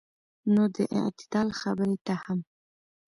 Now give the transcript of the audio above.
نو د اعتدال خبرې ته هم